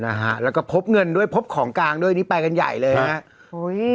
นะฮะแล้วก็พบเงินด้วยพบของกลางด้วยนี้ไปกันใหญ่เลยฮะโอ้ย